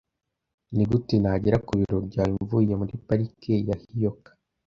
Nigute nagera ku biro byawe mvuye muri Parike ya Hioka?